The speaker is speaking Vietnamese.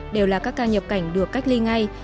đều là các ca nhập cảnh được cách ly ngay